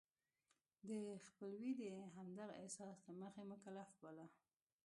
د خپلوی د همدغه احساس له مخې مکلف باله.